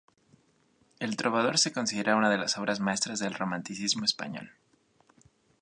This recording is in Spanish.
El trovador se considera una de las obras maestras del romanticismo español.